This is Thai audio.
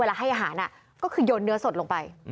เวลาให้อาหารอ่ะก็คือโยนเนื้อสดลงไป